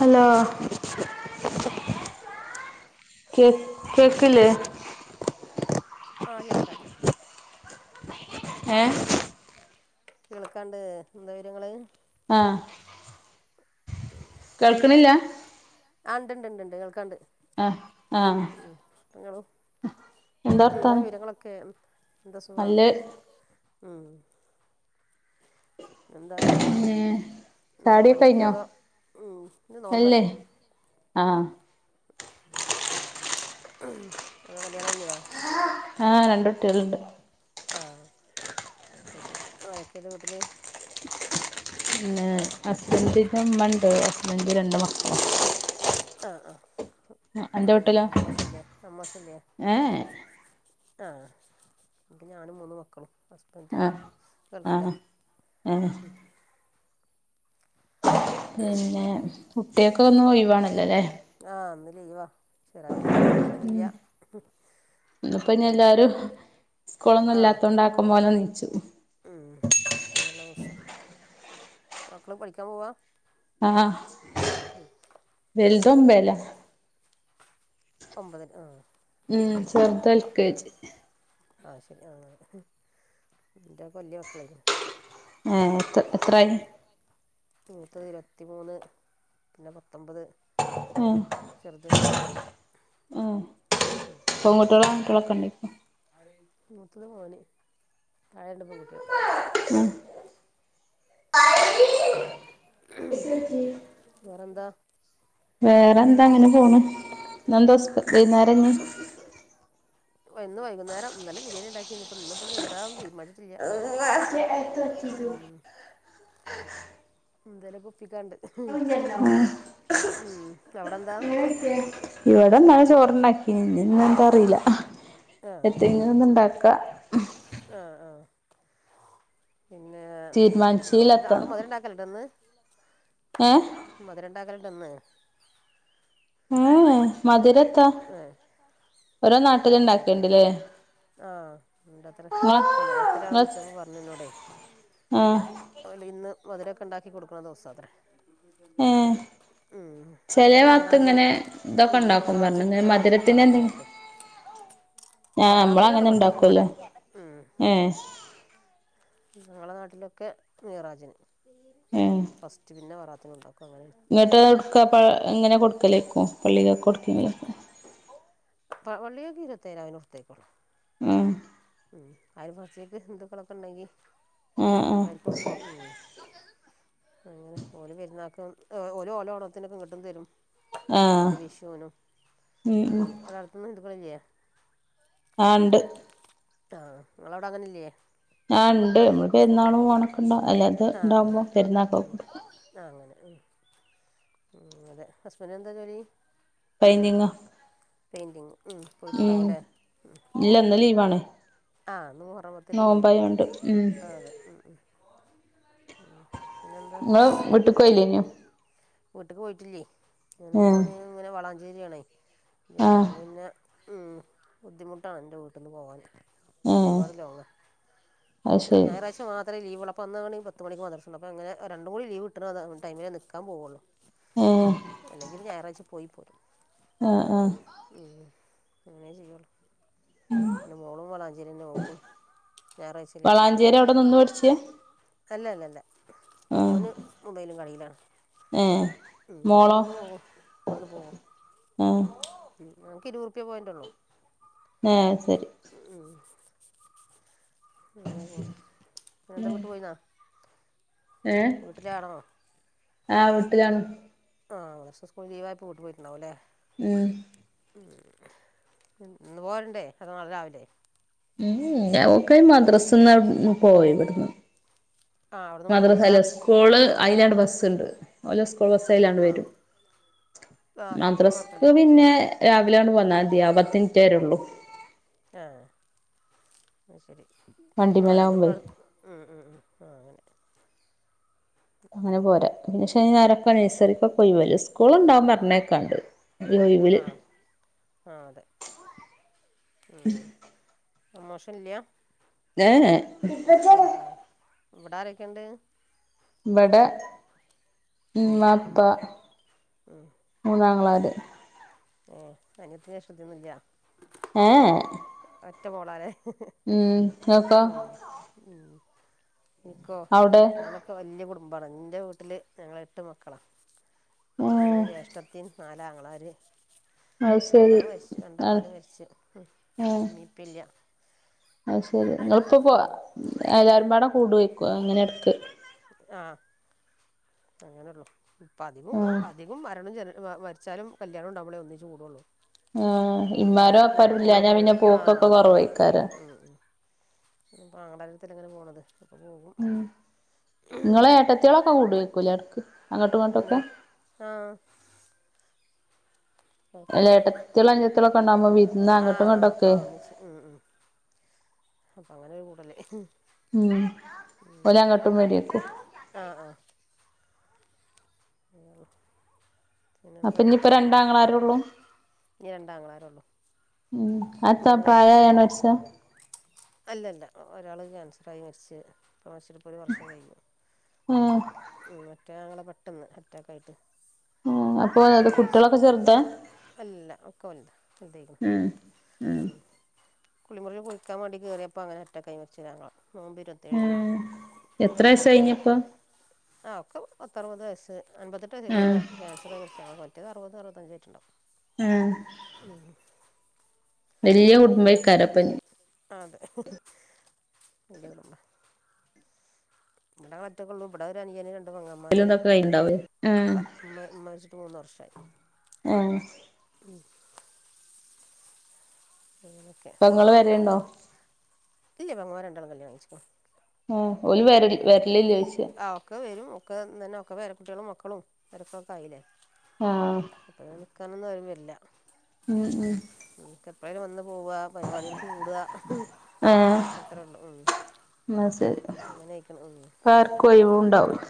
Hello കേക്ക് എന്താ വിവരങ്ങള് ആഹ് കേൾക്ക്ണ്ട് ഏഹ് കേൾക്ക്ണ്ട് എന്താ വിവരങ്ങള് ആഹ് [inaudible] കേൾക്ക്ണില്ല ആഹ് ഇണ്ട് ഇണ്ട് ഇണ്ട്ണ്ട് കേൾക്ക്ണ്ട് ആഹ് ആഹ് ഉം ങ്ങളും എന്താ വർത്താനം എന്താവിരങ്ങളൊക്കെ എന്താ സുഖാണോ നല്ലെ ഉം എന്താ ഉം എന്താ പഠിക്കതോ ഉം ഇന്ന് അല്ലേ നോമ്പല്ലേ ആഹ് [unintelligible] അതോകല്യാണം കഴിഞ്ഞതോ? ആഹ് രണ്ടുട്ടിയളുണ്ട്. ആഹ് അയ്ശരി ആരൊക്കെണ്ട് വീട്ടില്- പിന്നെ ഹസ്ബന്റെന്റെമ്മണ്ട് ഹസ്ബൻഡും രണ്ട് മക്കളും. ആഹ് ആഹ് ആഹ് അമ്മോശല്ലേ അമ്മോശല്ലേ ഏ ആഹ് ൻക്ക് ഞാനുംമൂന്ന്മക്കളും. ഹസ്ബൻഡ് ആഹ് ഗൾഫി‌ലാ ആഹ് ആഹ് ഉം. പിന്നെ കുട്ടിയൊക്കെന്നും ഒയിവാണല്ലോല്ലേ- ആഹ് ഇന്ന്ലീവാ ചെറിയൾ ചെറിയാൾ ന്നീചിട്ടില്ല. ഇന്നിപ്പോഞീല്ലാരും സ്കൂളൊന്നും ആ ഇല്ലാത്തോണ്ടക്കപോലന്നീച്ചും. ഉം ലീവ്ള്ളസം മക്കള് പഠിക്കാൻ പോവാ- ആഹ് വൽതോമ്പെല. ഒമ്പതില് ആഹ്. ഉം ചെറുതാൽ കേയ്ച്ച്. ആഹ് ശരി ആഹ് എന്റെകൊല്ലിയ മക്കളായി. ഏഹ്എത്ര എത്രായി? മൂത്ത് ഇരുപത്തിമൂന്ന് പിന്നെ പത്തൊമ്പത്. ഏഹ് ചെറുത് പന്ത്രണ്ട് ഉം. ഇപ്പോങ്ങട്ടുള്ള [unintelligible] കണ്ടിപ്പാണ് മുത്തത് മോന് താഴെണ്ട പെൺകുട്ടികള്. ഉം. വേറെന്ത? വേറെ എന്താ ഇങ്ങനെ പോണു ഇന്നെന്തോസ് വൈകുന്നേരംങ്ങീ വന്ന് വൈകുന്നേരംന്നല്ല ബരിണിണ്ടാക്കിന്ന് ഇപ്പ ഇന്ന് പ്പപിന്നെ എന്താന്ന് തീരുമാനി ഇല്ല്യ ഉം. [unintelligible] ഇന്തലൊക്കെ ഒപ്പിക്കാണ്ട്. ഉം. ഉം അവിടെന്താ? പിടിച്ചെ. ഇവിടെന്നാണ് ചോറ്ണ്ടാക്കി ഇന്ന എന്താ അറിയില്ല എത്തങ്ങിലും ഒന്ന ഇണ്ടാക്ക. ആഹ് ആഹ് പിന്നെ തീരുമാനിച്ചീല്ല അവിടെ ത് എത്താന്ന് അമുതിരണ്ടാക്കലൊണ്ടന്ന്. ഏഹ് മധരണ്ടാക്കലുണ്ട്ന്ന്- ഏഹ് മധുരത്ത്. ഏഹ്. ഓരോ നാട്ടിലങ ഇണ്ടാക്കേണ്ടല്ലേ? ആഹ് ഉണ്ട്ത്ര ഇപ്പൊ നേരത്തെരാൾ വിളിച്ചപ്പോ പറഞ്ഞുന്നോടെ ആഹ്. ഒല് ഇന്ന് മധുരൊക്കെ ഉണ്ടാക്കി കൊടുക്കണ ദിവസം അത്രേ ഏഹ് ഉം ചെലേ ഇവിടെ ഭാഗത്ത് മീറജന് ഇങ്ങനെ ഉ ഇതൊക്കെ ഉണ്ടാക്കും പറഞ്ഞു ഹറജൻ. ഇങ്ങനെ മധുരത്തിന് എന്തെങ്കിലും ഹിറജിനുംഫറത്തിനൊക്ക ആഹ് നമ്മള് ബറാത്തിനാണ് അങ്ങനെ ഇവിടെണ്ടെ ഇവിടെ ഉണ്ടാക്കുവല്ലോ ഉം ഏഹ് ഞങ്ങളുടെ നാട്ടിലൊക്കെ നെയറാജന് ഫസ്റ്റ് പിന്നെ വറാത്തിന ഉണ്ടാക്കും. അങ്ങനെയാണ് ഇങ്ങോട്ട് എടുക്കുക പ എങ്ങനെ കൊടുക്കലേക്കുവോ പള്ളികൾക്കെ കൊടുക്കുമെങ്കിലക്കാഅൽ വള്ളിയൊക്കീരത്തേന അവോടുത്തേക്കോളും ഉം ഉം അവരെ പരിചയത്തി ഹിന്ദുക്കളൊക്കെ ഉണ്ടെങ്കി ആഹ് ആഹ് [unintelligible] അങ്ങനെ ഓര് പെരുന്നാക്കും ഓരോ ഓണത്തിനൊക്കെ ഇങ്ങട്ടും തരും ആഹ് മറ്റേ വിഷുവിനും ഉം ഉം അങ്ങനെ ആഹ് ഇവിടടുത്തെങ്ങും ഇതുപോലെയില്ല ആഹ് ഒണ്ട് ആഹ് നിങ്ങളവിടെ അങ്ങനില്ലേ ഞാ ഉണ്ട് അമ്മള് പെരുന്നാളും ഓണക്കുണ്ടോ അല്ലെ അത്ണ്ടാവുമ്പോ പെരുന്നാൾക്കോ കൊടുക്കും ആഹ് അങ്ങനെ ഉം അതെ ഹസ്ബന്റിന് എന്താ ജോലി പൈനിങ്ങോ പെയിന്റിങ് ഉം ഉം പോയിട്ടുണ്ടാവുംല്ലേ ഉം ഇല്ല ഇന്ന് ലീവാണ് ആഹ് നൂറാമേത്തിൻ്റെ ലീവ് നോമ്പായോണ്ട് ഉം ആഹ് അതെ ഉം ഉം പിന്നെന്താ നിങ്ങള് വീട്ടിക്ക് പോയില്ലേനു വീട്ട്ക്ക് പോയിട്ടില്ലേ അങ്ങനെ ഏഹ് മോന് ഇങ്ങനെ വാളാഞ്ചേരിയാണേ ജോലി ആഹ് അപ്പൊ പിന്നെ ഉം ബുദ്ധിമുട്ടാണ് എൻ്റെ വീട്ടിന്ന് പോകാന്. ഏഹ് ഒരുപാട് ലോങ്ങാ അത് ശരി ഞായറാഴ്ച മാത്രമേ ലീവൊള്ളൂ. ഇപ്പ ഇന്ന്കൂടി പത്ത് മണിക്ക് മദ്രസൊണ്ട് അങ്ങനെ രണ്ട് കൂടി ലീവ്ട്ടണ ടൈമിലെ നിക്കാൻ പോവുള്ളൂ. ഏഹ് അല്ലെങ്കില് ഞായറാഴ്ച പോയി പോരും. ആഹ് ആഹ് ഉം അങ്ങനെയെ ചെയ്യുള്ളൂ പിന്നെ മോളും വലാഞ്ചേരിന്നെ ഓക്കും. വാളാഞ്ചേരി അവിടെ നിന്ന് പഠിച്ചെ അല്ല അല്ല അല്ല മോന് മൊബൈലും കടയിലാണ്. ഏഹ് ഉം ഓന് മോളോ ഇവിടെന്ന് പോവും ഇവിടുന്ന് പോവും ആഹ് ഞങ്ങൾക്ക് ഇരുപതുറുപിയ പോയിന്റെ ഉള്ളു. ആഹ് അത്ശെരി. ഉം അങ്ങനെ പോണ് പിന്നെന്താ വീട്ടി പോയിന്നാ. ഏഹ് വീട്ടിലാണോ ആഹ് വീട്ടിലാണ്. ആഹ് സ്കൂൾ ലീവായപ്പൊ അങ്ങട്ട് പോയിട്ടുണ്ടാവുംല്ലേ. ഉം ഉം ഇന്ന് പോരണ്ടേ അതോ നാളെ രാവിലെ. ഉം ഓക് മദ്രാസിന്ന് പോയത് ഇവിടുന്ന്. ആ അവിടുന്ന് മദ്രസ എടുത്താ അല്ല സ്കൂള് അയില്ലാണ്ട് ബസൊണ്ട് ഓല് സ്കൂള് ബസേലാണ്ട് ആ വരും. ആ അപ്പം പിന്നെ മദ്രസ്ക്ക് കുഴപ്പമില്ലല്ലോ പിന്നെ രാവിലെയാണ് പോന്നാ മതി പത്തിറ്റേരെ ഉള്ളൂ. ആഹ് അത്ശെരി ആഹ് രണ്ടും വണ്ടിമേലാവുമ്പേ ഇവടെ അടു ഉം ഉം ഉം ആഹ് അങ്ങനെ. അങ്ങനെ പോരാ പിന്നെക്ഷെ ആരൊക്കെ നഴ്സറിക്കൊക്കെ ഒഴിവല്ലെ സ്കൂൾണ്ടാകും പറഞ്ഞേക്കാണ്ട് ഈ ഒഴിവില് ആഹ്. ആഹ് അതെ പ്രമോഷൻ ഇല്ല. ഏഹ്. ആഹ് ആഹ് ഇവിടെ ആരൊക്കെയുണ്ട്. ഇബടെ ഇമ്മ ഇപ്പ. ഉം. മൂന്നാങ്ങളാര്. ഏ അനിയത്തിയും ജേഷ്ഠത്തി ഒന്നുമില്ല. ഏഹ്. ഒറ്റ മോളാലേ. ഉം ങ്ങക്കൊ. ഉ നിക്കോ അവിടെ ഞാനൊക്കെ. വലിയ കുടുംബമാണ് എൻ്റെ വീട്ടിൽ ഞങ്ങള് എട്ട് മക്കളാ ഉം മൂന്ന് ജ്യേഷ്ഠത്തി. നാല് ആങ്ങളാർ അത് ശരി രണ്ടാൾ മരിച് ആ രണ്ടാങ്ങളാർ മരിച്ചു. മ്മീം ഇപ്പീം ഇല്ല. അ അത്ശരി നിങ്ങളിപ്പോൾ പോ എല്ലാവരുംപാട കൂടുവയ്ക്കും അങ്ങനെ ഇടക്ക്. ആ അങ്ങനെയെള്ളൂ ഇപ്പ അധിക ഉം ആ അധികം മരണം ജന. വച്ചാലും കല്യാണം ഉണ്ടാവുമ്പളേ ഒന്നിച്ച് കൂടുള്ളൂ. ഇമ്മാരും ബാക്കി ഇങ്ങനെ വാപ്പാരും പോവ ഇല്ലാഞ്ഞാ പോര പിന്നെ ആ പോക്കൊക്കെ അതെ കൊറവായിക്കാരം ഉം. പാളകത്തിൽ ഇങ്ങനെ പോണത് അപ്പൊ പോകും. ഉം നിങ്ങളെ ഏട്ടത്തികളൊക്കെ കൂടര്ക്കൂല ഇടക്ക് അങ്ങോട്ടും ഇങ്ങോട്ടൊക്കോ. ആഹ്. അല്ല കുഴപ്പില്ല ഏട്ടത്തികളും അനിയത്തികളൊക്കെ ഉണ്ടാവുമ്പോ വിരുന്ന് അങ്ങോട്ടും ആഹ് ആ ഇങ്ങോട്ടൊക്കെ ആ ഒന്നിച്ച് ഉം. അപ്പൊ അങ്ങനെ ഒരു കൂടല്. ഉം ഓലങ്ങ്ട്ടും വരിക്കും. ആഹ് ആഹ്. അങ്ങനെ അപ്പ ഇന്നയിപ്പ രണ്ടാങ്ങളാരേ ഉള്ളൂ..... ഇനി രണ്ടാങ്ങളാരുള്ളൂ ഉ അത്താ മൂന്ന് പ്രായമായാണ് ജ്യേഷ്ഠത്തികളും മരിച്ച... അല്ലല്ല ഒരാള് ക്യാൻസറായി മരിച്ച... ഇ ഒരു വർഷം കഴിഞ്ഞു ഉം മറ്റേ ആങ്ങള പെട്ടെന്ന് അറ്റാക്ക ആയിട്ട്.... ഉ അപ്പൊ അത് കുട്ടികളൊക്കെ ചെറുതാ.... അല്ല അല്ല ഒക്ക വലുതാ ഉം ഉം [unintelligible] കുളിമുറി കുളിക്കാൻവേണ്ടി കയറിയപ്പോ അങ്ങനെ അറ്റക്കായി മരിച്ചതാണ് നോമ്പ് ഇരുപത് എഴിനു ഉം എത്ര വയസ്സ് വെള്ളിയാഴ്ച.... കഴിഞ്ഞിപ്പോ ആ ഒക്കെ പത്ത അറുപത് വയസ് അൻപത്തെട്ട് ഉം വയസ ക്യാൻസറായിട്മരിച്ചതാ..... അറപത് അറപത്തഞ്ചയിട്ടുണ്ടും.... ഉം..... ഉ... വലിയ കുടുംബ..... ആഹ് അതെ. [unintelligible] ഇവിടെ ഞാൻ ഒറ്റക്കള്ളൂ ഇവിടെ ഒരു അനുയന് രണ്ടു പെങ്ങന്മാര്.... ഇതൊക്കെ കഴിഞ്ഞിണ്ടാവൂലേ ഉം ഇമ്മ മരിച്ചിട്ട് മൂന്ന് വർഷമായി.... ആഹ..... ഇങ്ങനൊക്കെ.... നിങ്ങള്ൾ വരണ്ടോ.... ഇല്ല പെങ്ങമ്മാരെ രണ്ടാളെ കല്യാണംച്ചിക്കോ.... ഉം ഓല് വരല് ഉ വരലില്ലേ ഈ ചോദിച്ചയാ അവക്കവരും...... ഒക്കെ ഒക്കെ പേരകുട്ടികളും മക്കളും വരക്കൊ ഒക്കെയില്ലേ.... ആഹ് ഇപ്പൊ നിക്കാനൊന്നും ആരും വരുല്ല. ഉം ഉം.... ഓലൊക്കെ എപ്പളെലും വന്ന് പോവുക പരിപാടികൾക്ക് കൂടുക അത്രേ ഉള്ളു ഉം എന്ന ശരി. അങ്ങനയിക്കണ് ഇപ്പർക്കും ഒഴിവും ഉണ്ടാവില്ല.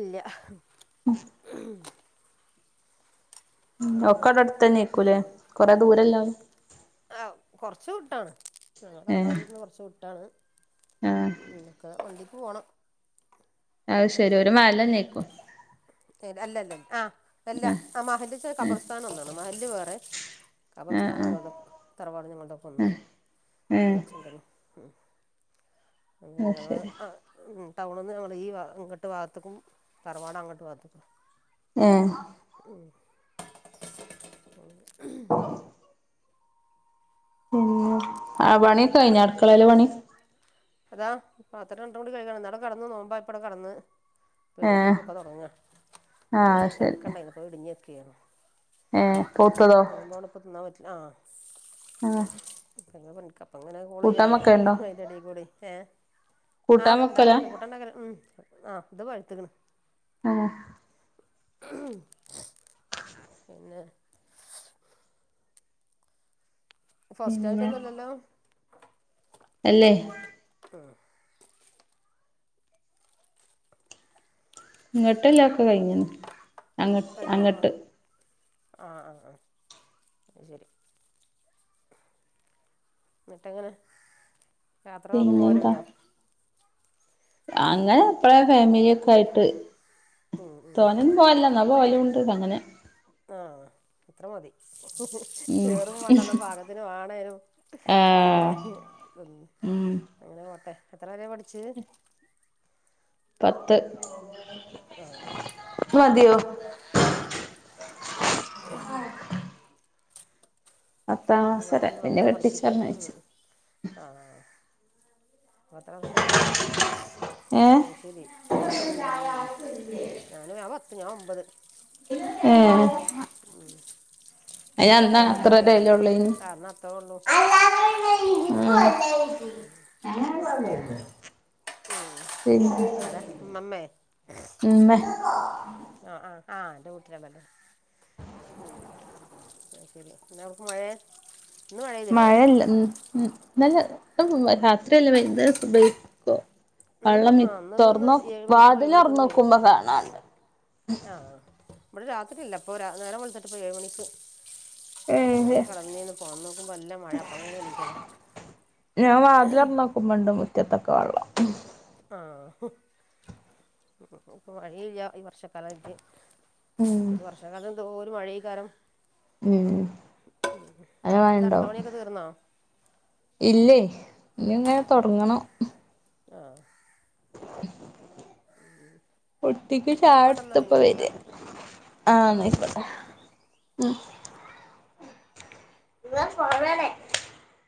ഇല്ല ഉ.... ഉം പിന്നെ ഒക്കെടടുത്ത് തന്നെക്കൂലേ കൊറെ ദൂരല്ല ആഹ് കുറച്ച വിട്ടാണ് ഞങ്ങൾ ഏഹ് തറവാടിന്റെ അടുത്തന്ന് കുറച് വിട്ടാണ്..... ആഹ് ഉ ഒക്കെ വണ്ടിക്ക് പോണം...... അത് ശരി ഒരു മഹല്ല്നീക്കും... അല്ല അല്ല ആഹ് അല്ല ആഹ് ആ മഹല്ച്ച ഉം കബർസ്ഥാനം ഒന്നാണ് മഹല്ല് വേറെ.... ഖബർസ്ഥാന ആഹ് ആഹ് ഞങ്ങളുടെ തറവാട് ഞങ്ങളുടെഒന്ന് ഉം ഉം ഇളച്ചന്റെതും... അത് ഞങ്ങൾ ശരി ടൗണിൽ നിന്ന് ഞങ്ങൾ ഈ ഇങ്ങിട്ട് ഭാഗത്തക്കും തറവാട അങ്ങോട്ട്..... അങ്ങോട്ട് ഭാഗത്ക്കും ഏഹ് ഉം പിന്നെ ആ പണിയക്കെ കഴിഞ്ഞ അടുക്കളയിലെ പണി... അതാ പാത്രം രണ്ടണ്ണം കൂടി കഴികാണ്ട് ഇന്നാടെ കടന്ന് നോമ്പായപ്പം അവടെ കടന്ന്..... പെണീട്ട് ഏഹ് പൊക്കെ തുടങ്ങുക ആഹ് അത് ഒരു ശരി ചക്ക ഉണ്ടായിരുന്നു. അപ്പോൾ ഇടിഞ്ഞൊക്കെയാണ്ണ ഏഹ് പൗത്തതോ ഇപ്പോൾ തിന്നാൻ പറ്റില്ല ആ..... ആഹ് അപ്പങ്ങനെ കോള കൂട്ടാൻ ചെയ്യാലോ വെക്കലുണ്ടോ അതിന്റെടിൽ കൂടെ കൂട്ടാൻ ആഹ്‌ വെക്കലാ ഉണ്ടാക്കലല്ലേ കൂട്ട ഉണ്ടാക്കല ഉം ആഹ് ഇത് പഴുത്തക്കണ് ആഹ്‌ ഉം പിന്നെ ഫസ്റ്റ് പിന്നെ ആയിട്ടൊന്നുംല്ലല്ലോ അല്ലേ ഉം ഇങ്ങോട്ടല്ല ഒക്കെ കഴിഞ്ഞു കഴിഞ്ഞോ ആഹ്‌ ആഹ്‌ ആഹ്‌ ആഹ്‌ ശരി എന്നിട്ടിങ്ങനെ യാത്രകളൊക്കെ പോവലുണ്ടോ? അങ്ങനെപ്പഴെ ഫാമിലിയൊക്കെയിട്ട് തോന്നന്നും പോലാല്ലാ ന്നാ പോലും ണ്ട് അങ്ങനെ ആഹ്‌ ഇത്ര മതി ഉം ഏറും മാണ്ടെന്ന പാകത്തിന് വേണേനും അല്ലെ ആഹ് ഉം അങ്ങനെ പോട്ടെ എത്ര വരെ പഠിച്ചു പത്ത് ആഹ്‌ മതിയോ ആഹ്‌ ക്ലാസ് ഇങ്ങക്ക് വരെ ഇനി പിന്നെ മക്കളെ പഠിപ്പിക്ക ഉം കെട്ടിച്ചർഞ്ഞയച്ച് ആഹ്‌ എത്ര വർഷായി ഏഹ് ശരി ഉം ഞാൻ പത്ത് ഞാൻ ഒമ്പത് ഏഹ് ഉം ഇനി അയ്ന് അന്ന് മക്കളെ പഠിപ്പിക്കലെ അത്രല്ലേള്ളേനി കാരണം അത്ര ഒള്ളു അതാണ് ഉം അങ്ങനെ പറഞ്ഞു തരുന്നേ എന്ത് ആരാ അമ്മമ്മേ ഇമ്മേ ആഹ്‌ ആഹ്‌ ആഹ് ന്റെ കൂട്ടികളല്ലേ ഉം അയി ശരി പിന്നെ നമുക്ക് പോയെ മഴയല്ല ഉം ഉം നല്ല ഇപ്പ രാത്രിയല്ല വൈകുന്നേരം സുബൈക്കോ ഇന്നിപ്പം വള്ളം ഇ ആ ഇന്നിപ്പം ഒന്ന് തോറ്ന്നോ ഏഴ് മണിക്ക് പോയി ഏഴ് മണിക്കൊന്ന് വരും വാതിൽറന്നോക്കുമ്പോ കാണാല്ല ആ ഇവിടെ രാത്രി ഇല്ല അപ്പൊ രാ നേരം വെളുത്തിട്ട് ഇപ്പോ ഏഴ് മണിക്ക് ഞാ ഏഹ് ന്നാ കടന്നീന്നു പോണ്മ്മേ നോക്കുമ്പോ ന്നല്ല മഴ അപ്പൊ അങ്ങനെയാണ് എണ്ണീറ്റതാ ഞാൻ വാതിലുറന്നോക്കുമ്പണ്ട് മുറ്റത്തൊക്കെ വള്ളം ആഹ് ഇപ്പ മഴയില്ല ഈ വർഷക്കാലായിട്ട് ഉം മിക്കത് വർഷകാലം എന്തോ ഒരു മഴ കാരം ഉം നല്ല ഇന്നത്തെ അടുക്കള മഴണ്ടാവും പണിയൊക്കെ തീർന്നോ ഇല്ലേ ഇനി ഇങ്ങനെ തോടങ്ങണം ആഹ്‌ [inaudible] ഉം കുട്ടിക്ക് ചായട്ത്ത് ഇപ്പ വര ആഹ് ആ ഇന്നാ ആയിക്കോട്ടെ ഇവിടെ കുറവാണ്